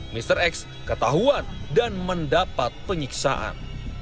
mr x ketahuan dan mendapat penyiksaan